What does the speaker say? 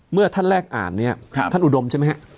เมื่อท่านแรกอ่านเนี่ยท่านอุดมใช่ไหมฮะ